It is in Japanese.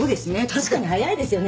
確かに早いですよね。